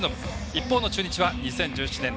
一方の中日は２０１１年